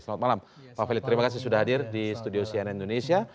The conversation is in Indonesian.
selamat malam pak feli terima kasih sudah hadir di studio cnn indonesia